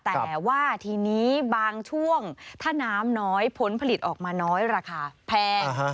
แต่ว่าทีนี้บางช่วงถ้าน้ำน้อยผลผลิตออกมาน้อยราคาแพง